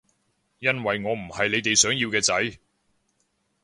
因為我唔係你哋想要嘅仔